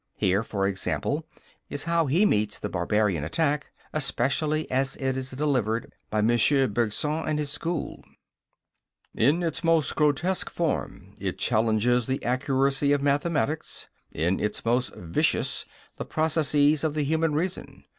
Here, for example, is how he meets the barbarian attack, especially as it is delivered by M. Bergson and his school: In its most grotesque form, it challenges the accuracy of mathematics; in its most vicious, the processes of the human reason.